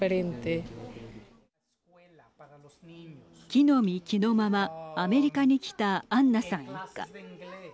着のみ着のままアメリカに来たアンナさん一家。